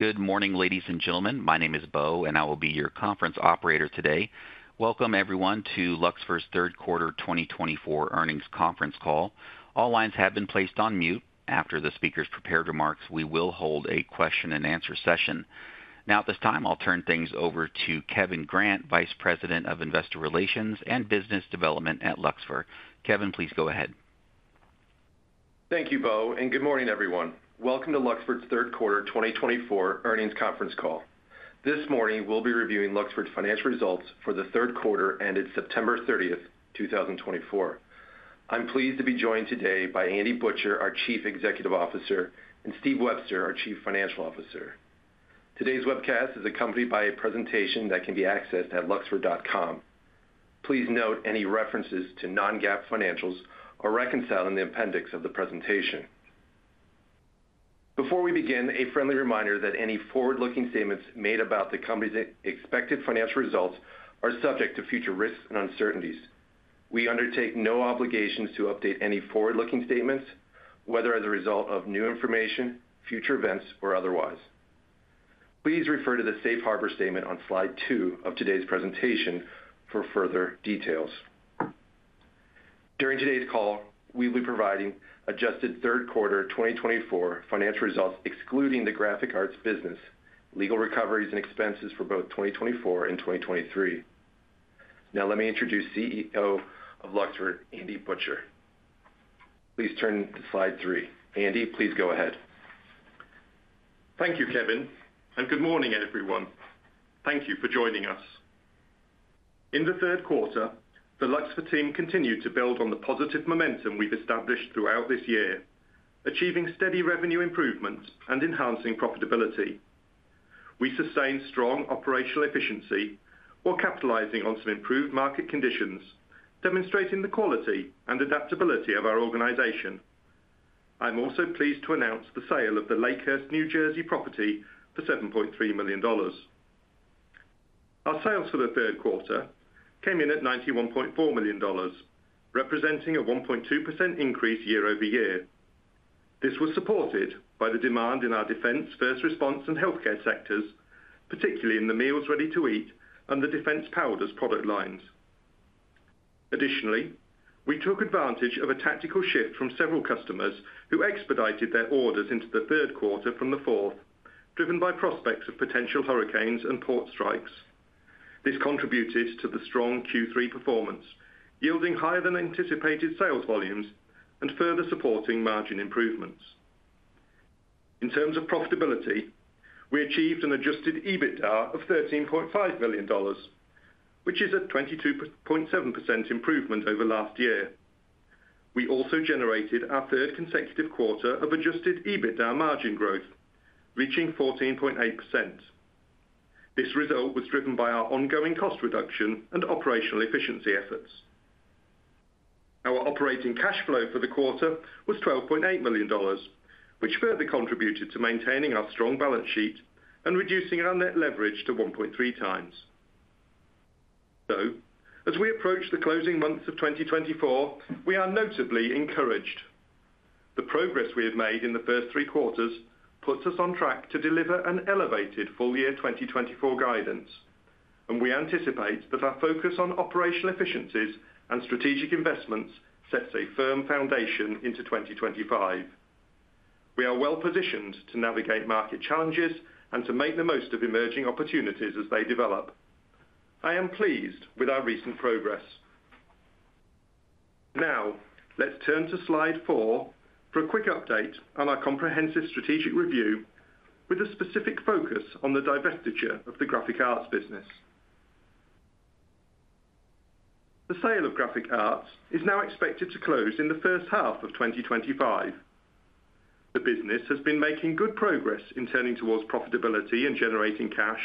Good morning, ladies and gentlemen. My name is Bo, and I will be your conference operator today. Welcome, everyone, to Luxfer's third quarter 2024 earnings conference call. All lines have been placed on mute. After the speaker's prepared remarks, we will hold a question-and-answer session. Now, at this time, I'll turn things over to Kevin Grant, Vice President of Investor Relations and Business Development at Luxfer. Kevin, please go ahead. Thank you, Bo, and good morning, everyone. Welcome to Luxfer's third quarter 2024 earnings conference call. This morning, we'll be reviewing Luxfer's financial results for the third quarter ended September 30th, 2024. I'm pleased to be joined today by Andy Butcher, our Chief Executive Officer, and Steve Webster, our Chief Financial Officer. Today's webcast is accompanied by a presentation that can be accessed at luxfer.com. Please note any references to non-GAAP financials are reconciled in the appendix of the presentation. Before we begin, a friendly reminder that any forward-looking statements made about the company's expected financial results are subject to future risks and uncertainties. We undertake no obligations to update any forward-looking statements, whether as a result of new information, future events, or otherwise. Please refer to the Safe Harbor statement on slide two of today's presentation for further details. During today's call, we will be providing adjusted third quarter 2024 financial results excluding the Graphic Arts business, legal recoveries, and expenses for both 2024 and 2023. Now, let me introduce CEO of Luxfer, Andy Butcher. Please turn to Slide 3. Andy, please go ahead. Thank you, Kevin, and good morning, everyone. Thank you for joining us. In the third quarter, the Luxfer team continued to build on the positive momentum we've established throughout this year, achieving steady revenue improvements and enhancing profitability. We sustained strong operational efficiency while capitalizing on some improved market conditions, demonstrating the quality and adaptability of our organization. I'm also pleased to announce the sale of the Lakehurst, New Jersey, property for $7.3 million. Our sales for the third quarter came in at $91.4 million, representing a 1.2% increase year-over-year. This was supported by the demand in our defense, first response, and healthcare sectors, particularly in the Meals, Ready-to-Eat and the defense powders product lines. Additionally, we took advantage of a tactical shift from several customers who expedited their orders into the third quarter from the fourth, driven by prospects of potential hurricanes and port strikes. This contributed to the strong Q3 performance, yielding higher than anticipated sales volumes and further supporting margin improvements. In terms of profitability, we achieved an adjusted EBITDA of $13.5 million, which is a 22.7% improvement over last year. We also generated our third consecutive quarter of adjusted EBITDA margin growth, reaching 14.8%. This result was driven by our ongoing cost reduction and operational efficiency efforts. Our operating cash flow for the quarter was $12.8 million, which further contributed to maintaining our strong balance sheet and reducing our net leverage to 1.3x. So, as we approach the closing months of 2024, we are notably encouraged. The progress we have made in the first three quarters puts us on track to deliver an elevated full-year 2024 guidance, and we anticipate that our focus on operational efficiencies and strategic investments sets a firm foundation into 2025. We are well positioned to navigate market challenges and to make the most of emerging opportunities as they develop. I am pleased with our recent progress. Now, let's turn to Slide 4 for a quick update on our comprehensive strategic review with a specific focus on the divestiture of the Graphic Arts business. The sale of Graphic Arts is now expected to close in the first half of 2025. The business has been making good progress in turning towards profitability and generating cash,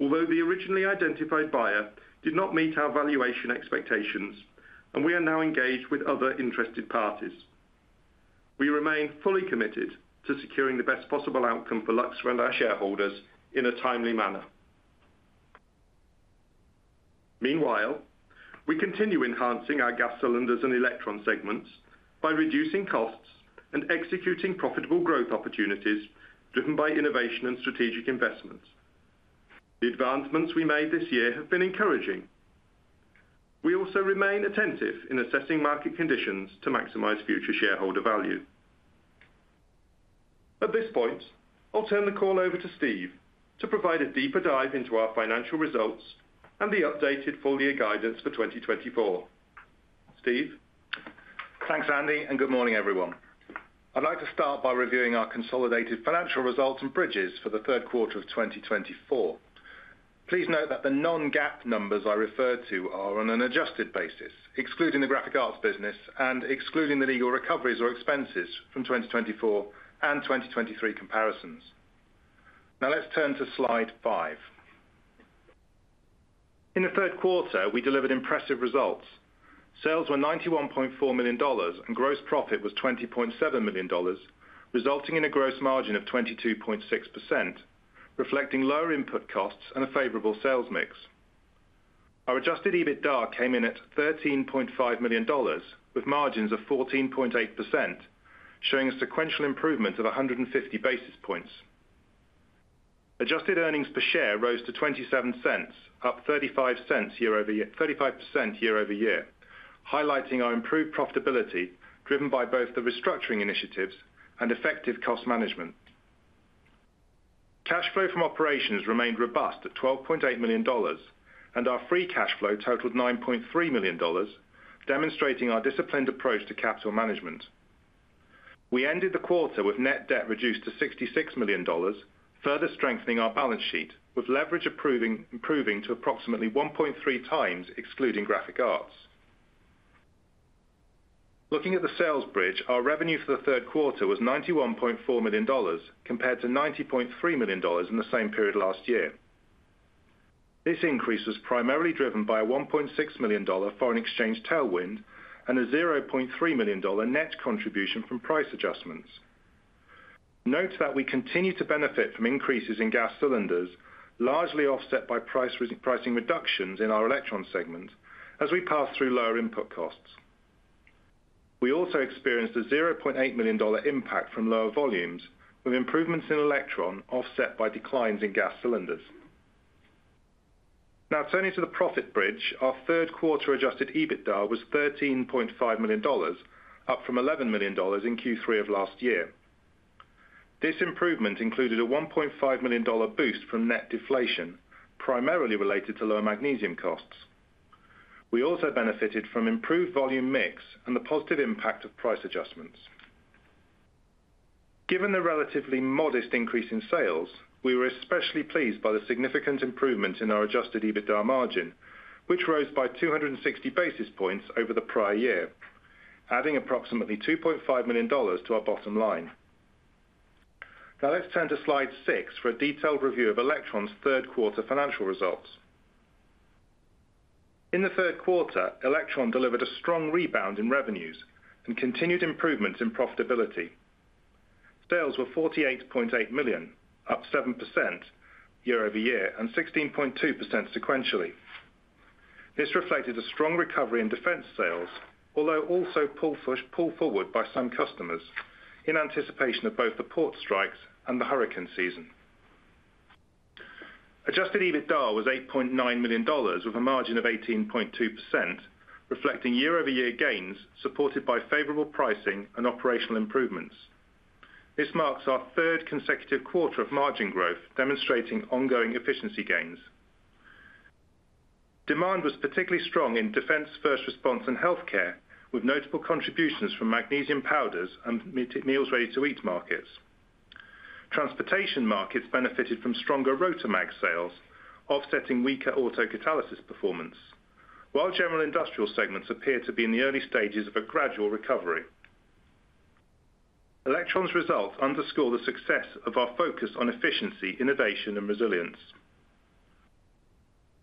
although the originally identified buyer did not meet our valuation expectations, and we are now engaged with other interested parties. We remain fully committed to securing the best possible outcome for Luxfer and our shareholders in a timely manner. Meanwhile, we continue enhancing our Gas Cylinders and Elektron segments by reducing costs and executing profitable growth opportunities driven by innovation and strategic investments. The advancements we made this year have been encouraging. We also remain attentive in assessing market conditions to maximize future shareholder value. At this point, I'll turn the call over to Steve to provide a deeper dive into our financial results and the updated full-year guidance for 2024. Steve? Thanks, Andy, and good morning, everyone. I'd like to start by reviewing our consolidated financial results and bridges for the third quarter of 2024. Please note that the non-GAAP numbers I referred to are on an adjusted basis, excluding the Graphic Arts business and excluding the legal recoveries or expenses from 2024 and 2023 comparisons. Now, let's turn to Slide 5. In the third quarter, we delivered impressive results. Sales were $91.4 million, and gross profit was $20.7 million, resulting in a gross margin of 22.6%, reflecting lower input costs and a favorable sales mix. Our adjusted EBITDA came in at $13.5 million, with margins of 14.8%, showing a sequential improvement of 150 basis points. Adjusted earnings per share rose to $0.27, up 35% year-over-year, highlighting our improved profitability driven by both the restructuring initiatives and effective cost management. Cash flow from operations remained robust at $12.8 million, and our free cash flow totaled $9.3 million, demonstrating our disciplined approach to capital management. We ended the quarter with net debt reduced to $66 million, further strengthening our balance sheet with leverage improving to approximately 1.3x excluding Graphic Arts. Looking at the sales bridge, our revenue for the third quarter was $91.4 million, compared to $90.3 million in the same period last year. This increase was primarily driven by a $1.6 million foreign exchange tailwind and a $0.3 million net contribution from price adjustments. Note that we continue to benefit from increases in Gas Cylinders, largely offset by pricing reductions in our Elektron segment as we pass through lower input costs. We also experienced a $0.8 million impact from lower volumes, with improvements in Elektron offset by declines in Gas Cylinders. Now, turning to the profit bridge, our third quarter adjusted EBITDA was $13.5 million, up from $11 million in Q3 of last year. This improvement included a $1.5 million boost from net deflation, primarily related to lower magnesium costs. We also benefited from improved volume mix and the positive impact of price adjustments. Given the relatively modest increase in sales, we were especially pleased by the significant improvement in our adjusted EBITDA margin, which rose by 260 basis points over the prior year, adding approximately $2.5 million to our bottom line. Now, let's turn to Slide 6 for a detailed review of Elektron's third quarter financial results. In the third quarter, Elektron delivered a strong rebound in revenues and continued improvements in profitability. Sales were $48.8 million, up 7% year-over-year and 16.2% sequentially. This reflected a strong recovery in defense sales, although also pulled forward by some customers in anticipation of both the port strikes and the hurricane season. Adjusted EBITDA was $8.9 million, with a margin of 18.2%, reflecting year-over-year gains supported by favorable pricing and operational improvements. This marks our third consecutive quarter of margin growth, demonstrating ongoing efficiency gains. Demand was particularly strong in defense, first response, and healthcare, with notable contributions from magnesium powders and Meals, Ready-to-Eat markets. Transportation markets benefited from stronger RotaMag sales, offsetting weaker auto catalyst performance, while general industrial segments appear to be in the early stages of a gradual recovery. Elektron's results underscore the success of our focus on efficiency, innovation, and resilience.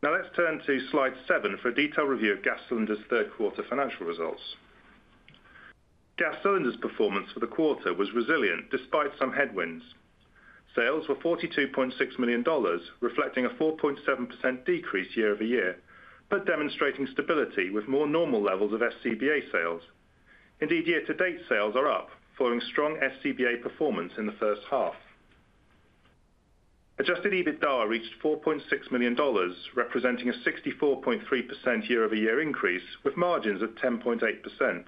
Now, let's turn to Slide 7 for a detailed review of Gas Cylinders' third quarter financial results. Gas Cylinders' performance for the quarter was resilient despite some headwinds. Sales were $42.6 million, reflecting a 4.7% decrease year-over-year, but demonstrating stability with more normal levels of SCBA sales. Indeed, year-to-date sales are up, following strong SCBA performance in the first half. Adjusted EBITDA reached $4.6 million, representing a 64.3% year-over-year increase, with margins at 10.8%.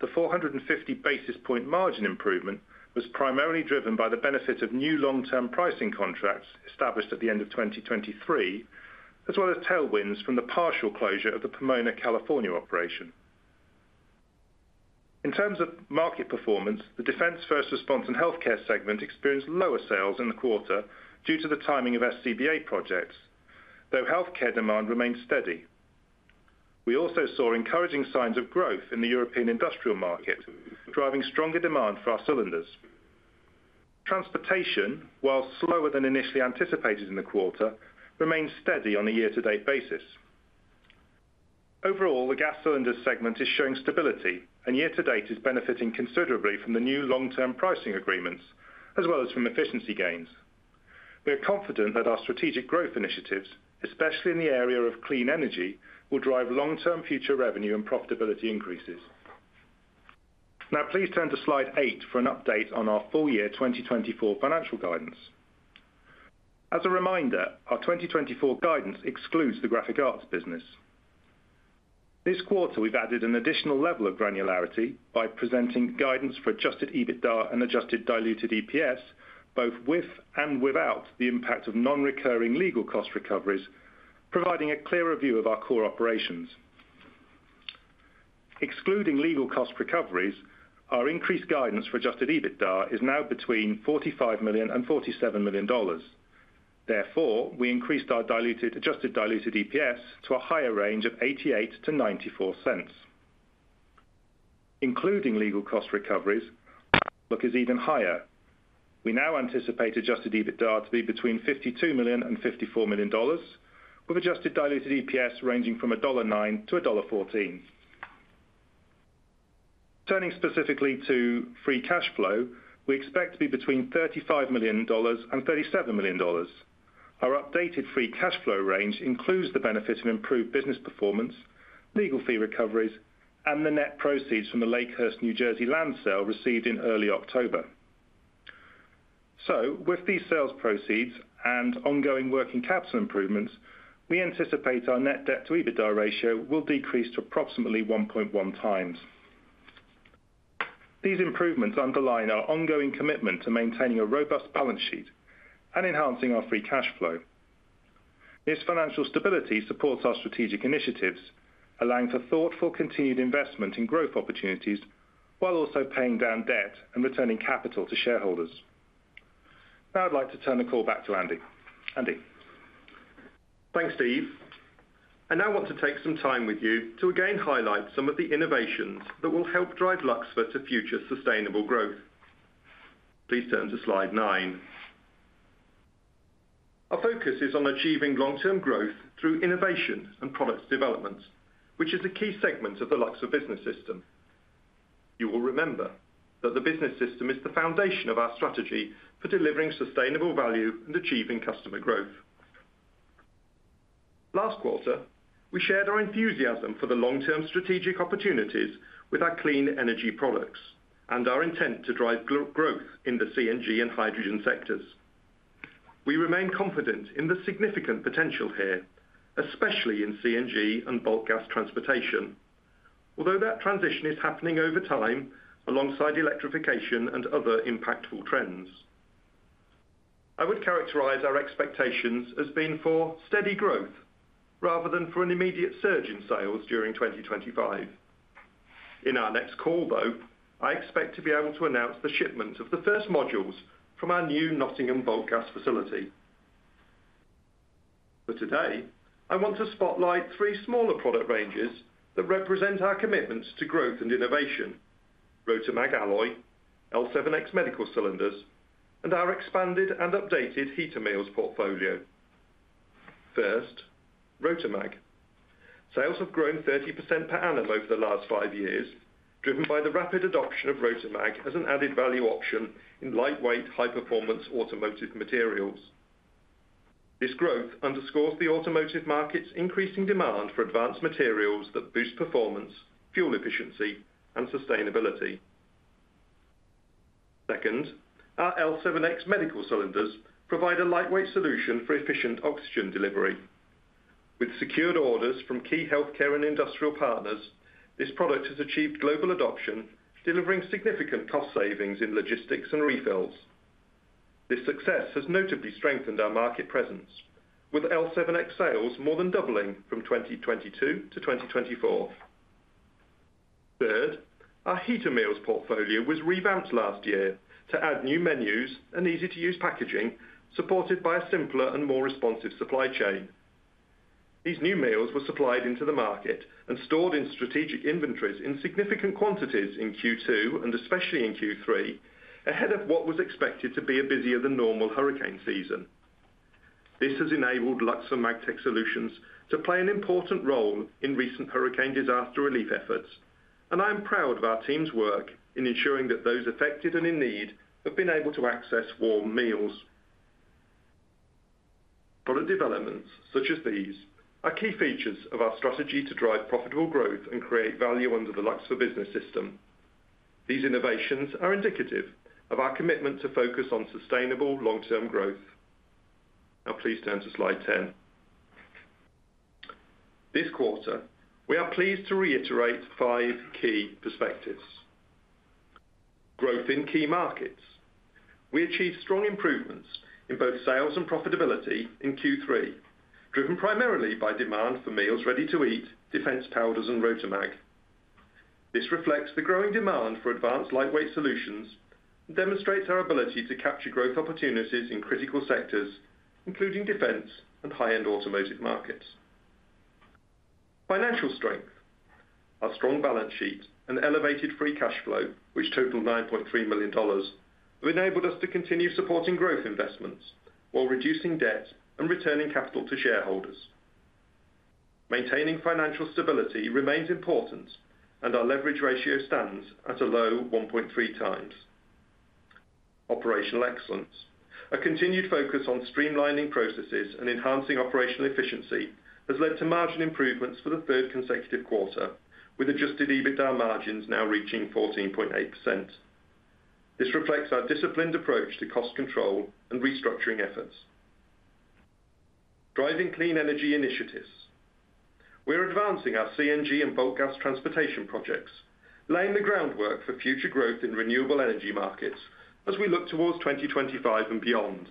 The 450 basis point margin improvement was primarily driven by the benefit of new long-term pricing contracts established at the end of 2023, as well as tailwinds from the partial closure of the Pomona, California operation. In terms of market performance, the defense, first response, and healthcare segment experienced lower sales in the quarter due to the timing of SCBA projects, though healthcare demand remained steady. We also saw encouraging signs of growth in the European industrial market, driving stronger demand for our cylinders. Transportation, while slower than initially anticipated in the quarter, remained steady on a year-to-date basis. Overall, the Gas Cylinder segment is showing stability, and year-to-date is benefiting considerably from the new long-term pricing agreements, as well as from efficiency gains. We are confident that our strategic growth initiatives, especially in the area of clean energy, will drive long-term future revenue and profitability increases. Now, please turn to Slide 8 for an update on our full-year 2024 financial guidance. As a reminder, our 2024 guidance excludes the Graphic Arts business. This quarter, we've added an additional level of granularity by presenting guidance for adjusted EBITDA and adjusted diluted EPS, both with and without the impact of non-recurring legal cost recoveries, providing a clearer view of our core operations. Excluding legal cost recoveries, our increased guidance for adjusted EBITDA is now between $45 million and $47 million. Therefore, we increased our adjusted diluted EPS to a higher range of $0.88 to $0.94. Including legal cost recoveries, the outlook is even higher. We now anticipate adjusted EBITDA to be between $52 million and $54 million, with adjusted diluted EPS ranging from $1.09-$1.14. Turning specifically to free cash flow, we expect to be between $35 million and $37 million. Our updated free cash flow range includes the benefit of improved business performance, legal fee recoveries, and the net proceeds from the Lakehurst, New Jersey, land sale received in early October. With these sales proceeds and ongoing working capital improvements, we anticipate our net debt-to-EBITDA ratio will decrease to approximately 1.1x. These improvements underline our ongoing commitment to maintaining a robust balance sheet and enhancing our free cash flow. This financial stability supports our strategic initiatives, allowing for thoughtful continued investment in growth opportunities while also paying down debt and returning capital to shareholders. Now, I'd like to turn the call back to Andy. Andy? Thanks, Steve. I now want to take some time with you to again highlight some of the innovations that will help drive Luxfer to future sustainable growth. Please turn to Slide 9. Our focus is on achieving long-term growth through innovation and product development, which is a key segment of the Luxfer Business System. You will remember that the Business System is the foundation of our strategy for delivering sustainable value and achieving customer growth. Last quarter, we shared our enthusiasm for the long-term strategic opportunities with our clean energy products and our intent to drive growth in the CNG and hydrogen sectors. We remain confident in the significant potential here, especially in CNG and bulk gas transportation, although that transition is happening over time alongside electrification and other impactful trends. I would characterize our expectations as being for steady growth rather than for an immediate surge in sales during 2025. In our next call, though, I expect to be able to announce the shipment of the first modules from our new Nottingham bulk gas facility. For today, I want to spotlight three smaller product ranges that represent our commitments to growth and innovation: RotaMag alloy, L7X medical cylinders, and our expanded and updated HeaterMeals portfolio. First, RotaMag. Sales have grown 30% per annum over the last five years, driven by the rapid adoption of RotaMag as an added value option in lightweight, high-performance automotive materials. This growth underscores the automotive market's increasing demand for advanced materials that boost performance, fuel efficiency, and sustainability. Second, our L7X medical cylinders provide a lightweight solution for efficient oxygen delivery. With secured orders from key healthcare and industrial partners, this product has achieved global adoption, delivering significant cost savings in logistics and refills. This success has notably strengthened our market presence, with L7X sales more than doubling from 2022 to 2024. Third, our HeaterMeals portfolio was revamped last year to add new menus and easy-to-use packaging, supported by a simpler and more responsive supply chain. These new HeaterMeals were supplied into the market and stored in strategic inventories in significant quantities in Q2 and especially in Q3, ahead of what was expected to be a busier-than-normal hurricane season. This has enabled Luxfer Magtech Solutions to play an important role in recent hurricane disaster relief efforts, and I am proud of our team's work in ensuring that those affected and in need have been able to access warm meals. Product developments such as these are key features of our strategy to drive profitable growth and create value under the Luxfer Business System. These innovations are indicative of our commitment to focus on sustainable long-term growth. Now, please turn to slide 10. This quarter, we are pleased to reiterate five key perspectives. Growth in key markets. We achieved strong improvements in both sales and profitability in Q3, driven primarily by demand for Meals, Ready-to-Eat, defense powders, and RotaMag. This reflects the growing demand for advanced lightweight solutions and demonstrates our ability to capture growth opportunities in critical sectors, including defense and high-end automotive markets. Financial strength. Our strong balance sheet and elevated free cash flow, which totaled $9.3 million, have enabled us to continue supporting growth investments while reducing debt and returning capital to shareholders. Maintaining financial stability remains important, and our leverage ratio stands at a low 1.3x. Operational excellence. A continued focus on streamlining processes and enhancing operational efficiency has led to margin improvements for the third consecutive quarter, with adjusted EBITDA margins now reaching 14.8%. This reflects our disciplined approach to cost control and restructuring efforts. Driving clean energy initiatives. We are advancing our CNG and bulk gas transportation projects, laying the groundwork for future growth in renewable energy markets as we look towards 2025 and beyond.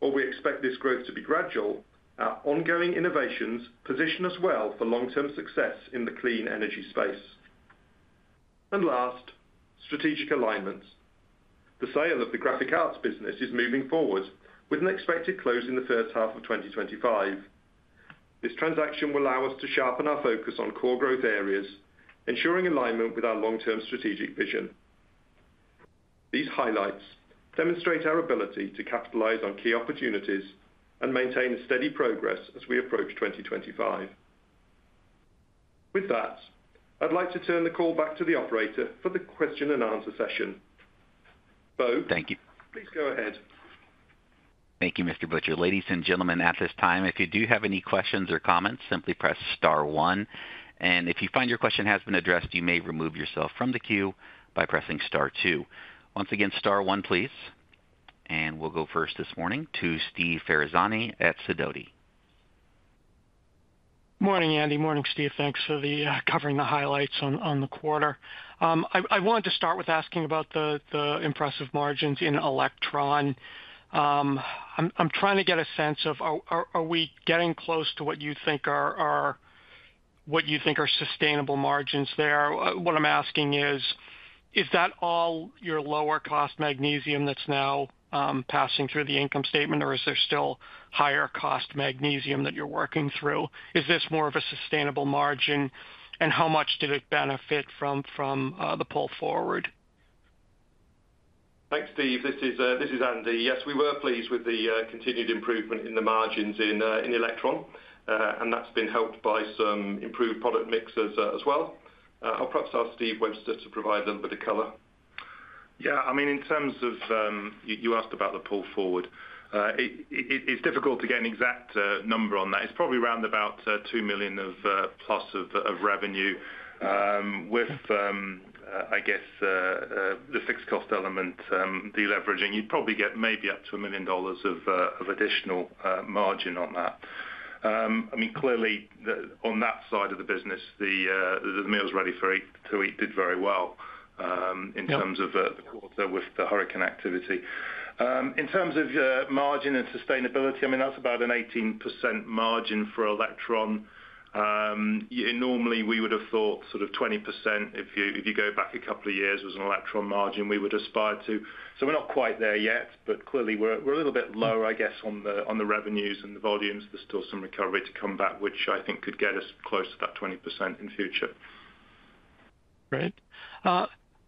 While we expect this growth to be gradual, our ongoing innovations position us well for long-term success in the clean energy space. And last, strategic alignments. The sale of the Graphic Arts business is moving forward, with an expected close in the first half of 2025. This transaction will allow us to sharpen our focus on core growth areas, ensuring alignment with our long-term strategic vision. These highlights demonstrate our ability to capitalize on key opportunities and maintain a steady progress as we approach 2025. With that, I'd like to turn the call back to the operator for the question-and-answer session. Bo? Thank you. Please go ahead. Thank you, Mr. Butcher. Ladies and gentlemen, at this time, if you do have any questions or comments, simply press star one. And if you find your question has been addressed, you may remove yourself from the queue by pressing star two. Once again, star one, please. And we'll go first this morning to Steve Ferazani at Sidoti. Morning, Andy. Morning, Steve. Thanks for covering the highlights on the quarter. I wanted to start with asking about the impressive margins in Elektron. I'm trying to get a sense of, are we getting close to what you think are sustainable margins there? What I'm asking is, is that all your lower-cost magnesium that's now passing through the income statement, or is there still higher-cost magnesium that you're working through? Is this more of a sustainable margin, and how much did it benefit from the pull forward? Thanks, Steve. This is Andy. Yes, we were pleased with the continued improvement in the margins in Elektron, and that's been helped by some improved product mixes as well. I'll perhaps ask Steve Webster to provide a little bit of color. Yeah, I mean, in terms of you asked about the pull forward, it's difficult to get an exact number on that. It's probably around about $2 million plus of revenue. With, I guess, the fixed-cost element, deleveraging, you'd probably get maybe up to $1 million of additional margin on that. I mean, clearly, on that side of the business, the Meals, Ready-to-Eat did very well in terms of the quarter with the hurricane activity. In terms of margin and sustainability, I mean, that's about an 18% margin for Elektron. Normally, we would have thought sort of 20%, if you go back a couple of years, was an Elektron margin we would aspire to. So we're not quite there yet, but clearly, we're a little bit lower, I guess, on the revenues and the volumes. There's still some recovery to come back, which I think could get us close to that 20% in future. Great.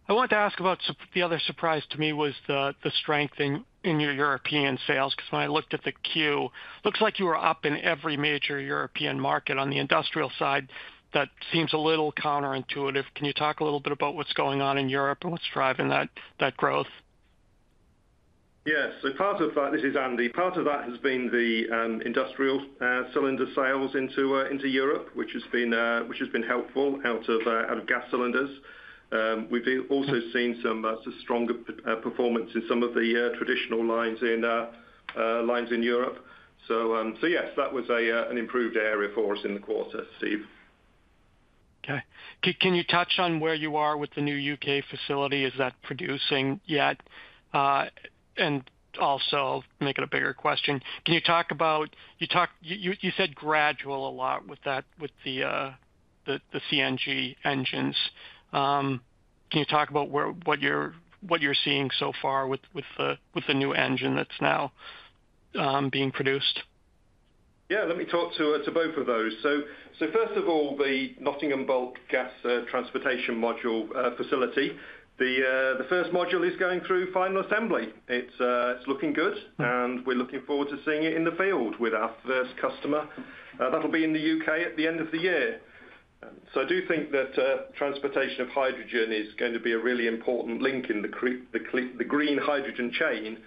I wanted to ask about the other surprise to me was the strength in your European sales, because when I looked at the Q, it looks like you were up in every major European market. On the industrial side, that seems a little counterintuitive. Can you talk a little bit about what's going on in Europe and what's driving that growth? Yes. This is Andy. Part of that has been the industrial cylinder sales into Europe, which has been helpful out of Gas Cylinders. We've also seen some stronger performance in some of the traditional lines in Europe. So yes, that was an improved area for us in the quarter, Steve. Okay. Can you touch on where you are with the new U.K. facility? Is that producing yet? And also, I'll make it a bigger question. Can you talk about you said gradual a lot with the CNG engines. Can you talk about what you're seeing so far with the new engine that's now being produced? Yeah, let me talk to both of those. So first of all, the Nottingham bulk gas transportation module facility, the first module is going through final assembly. It's looking good, and we're looking forward to seeing it in the field with our first customer. That'll be in the U.K. at the end of the year. So I do think that transportation of hydrogen is going to be a really important link in the green hydrogen chain,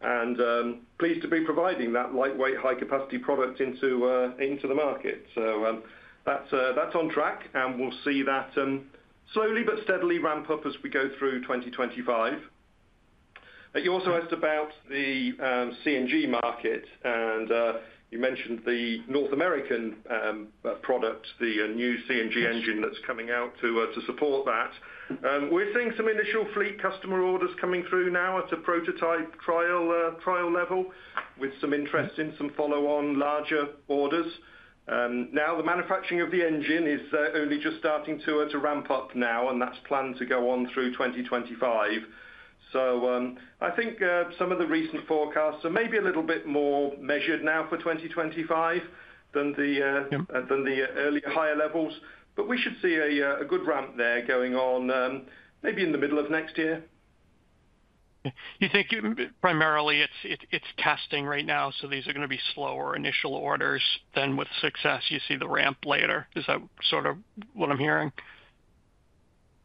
and pleased to be providing that lightweight, high-capacity product into the market. So that's on track, and we'll see that slowly but steadily ramp up as we go through 2025. You also asked about the CNG market, and you mentioned the North American product, the new CNG engine that's coming out to support that. We're seeing some initial fleet customer orders coming through now at a prototype trial level, with some interest in some follow-on larger orders. Now, the manufacturing of the engine is only just starting to ramp up now, and that's planned to go on through 2025. So I think some of the recent forecasts are maybe a little bit more measured now for 2025 than the earlier higher levels, but we should see a good ramp there going on maybe in the middle of next year. You think primarily it's testing right now, so these are going to be slower initial orders than with success. You see the ramp later. Is that sort of what I'm hearing?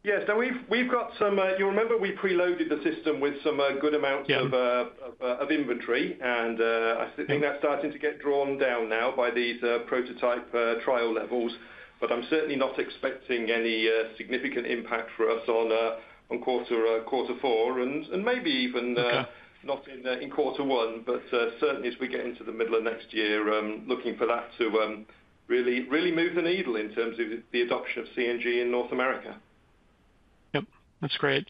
Yes. Now, we've got some you'll remember we preloaded the system with some good amounts of inventory, and I think that's starting to get drawn down now by these prototype trial levels. But I'm certainly not expecting any significant impact for us on quarter four, and maybe even not in quarter one, but certainly as we get into the middle of next year, looking for that to really move the needle in terms of the adoption of CNG in North America. Yep. That's great.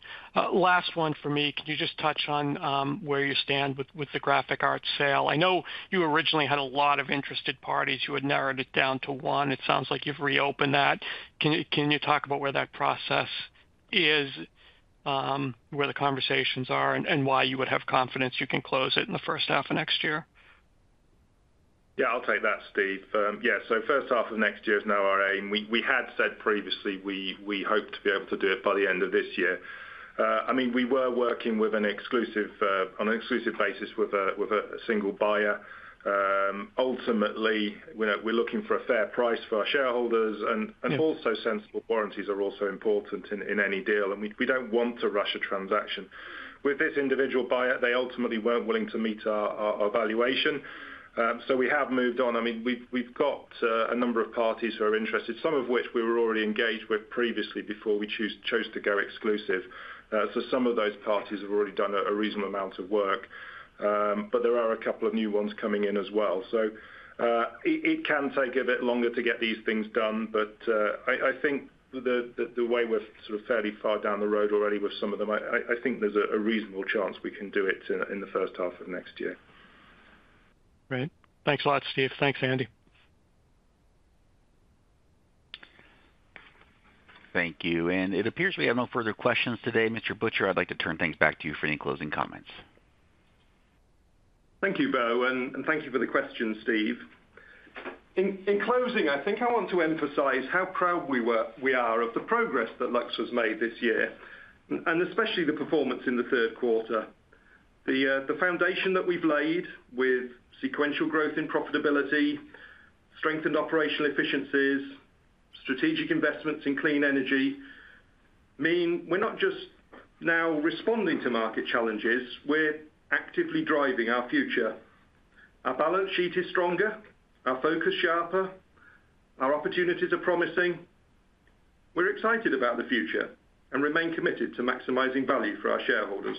Last one for me. Can you just touch on where you stand with the Graphic Arts sale? I know you originally had a lot of interested parties. You had narrowed it down to one. It sounds like you've reopened that. Can you talk about where that process is, where the conversations are, and why you would have confidence you can close it in the first half of next year? Yeah, I'll take that, Steve. Yeah, so first half of next year is now our aim. We had said previously we hoped to be able to do it by the end of this year. I mean, we were working on an exclusive basis with a single buyer. Ultimately, we're looking for a fair price for our shareholders, and also sensible warranties are also important in any deal, and we don't want to rush a transaction. With this individual buyer, they ultimately weren't willing to meet our valuation, so we have moved on. I mean, we've got a number of parties who are interested, some of which we were already engaged with previously before we chose to go exclusive. So some of those parties have already done a reasonable amount of work, but there are a couple of new ones coming in as well. So it can take a bit longer to get these things done, but I think the way we're sort of fairly far down the road already with some of them. I think there's a reasonable chance we can do it in the first half of next year. Great. Thanks a lot, Steve. Thanks, Andy. Thank you. And it appears we have no further questions today. Mr. Butcher, I'd like to turn things back to you for any closing comments. Thank you, Bo, and thank you for the question, Steve. In closing, I think I want to emphasize how proud we are of the progress that Lux has made this year, and especially the performance in the third quarter. The foundation that we've laid with sequential growth in profitability, strengthened operational efficiencies, strategic investments in clean energy mean we're not just now responding to market challenges. We're actively driving our future. Our balance sheet is stronger, our focus sharper, our opportunities are promising. We're excited about the future and remain committed to maximizing value for our shareholders.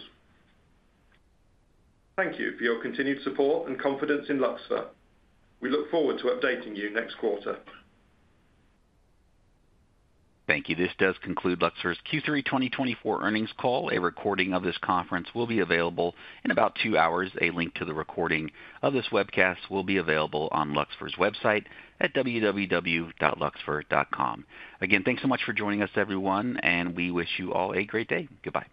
Thank you for your continued support and confidence in Luxfer. We look forward to updating you next quarter. Thank you. This does conclude Luxfer's Q3 2024 earnings call. A recording of this conference will be available in about two hours. A link to the recording of this webcast will be available on Luxfer's website at www.luxfer.com. Again, thanks so much for joining us, everyone, and we wish you all a great day. Goodbye.